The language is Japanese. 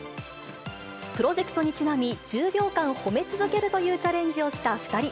プロジェクトにちなみ、１０秒間褒め続けるというチャレンジをした２人。